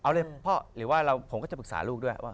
หรือว่าผมก็จะปรึกษาลูกด้วย